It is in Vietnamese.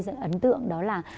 sẽ ấn tượng đó là